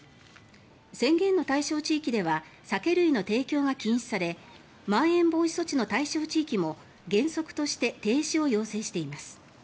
宣言の対象地域では酒類の提供が禁止されまん延防止措置の対象地域も原則として停止を要請しています。